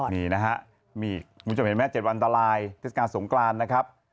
นี่นะฮะมีคุณผู้จัดมีดแม่๗วันตลายทฤษการสงครานนะครับ